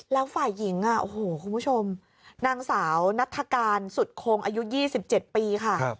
แล้วฝ่ายหญิงโอ้โหคุณผู้ชมนางสาวนัฐกาลสุดคงอายุ๒๗ปีค่ะ